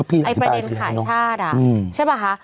ไอประเด็นข่าชาติอะใช่ปะคะ